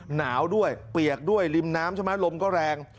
หนาวด้วยเปียกด้วยริมน้ำใช่ไหมลมก็แรง